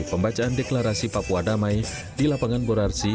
pembacaan deklarasi papua damai di lapangan borarsi